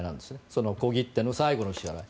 その小切手の最後の支払い。